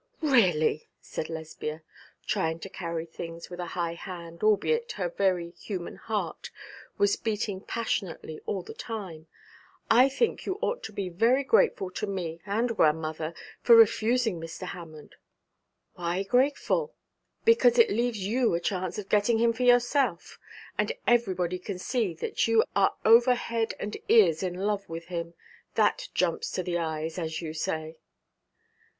'Really,' said Lesbia, trying to carry things with a high hand, albeit her very human heart was beating passionately all the time, 'I think you ought to be very grateful to me and grandmother for refusing Mr. Hammond.' 'Why grateful?' 'Because it leaves you a chance of getting him for yourself; and everybody can see that you are over head and ears in love with him. That jumps to the eyes, as you say.'